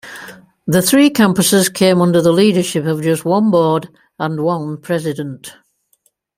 The three campuses came under the leadership of just one board and one president.